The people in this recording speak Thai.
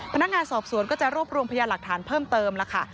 พนักงานสอบสวนก็จะรวบรวมพยานหลักฐานเพิ่มเติมแล้วค่ะ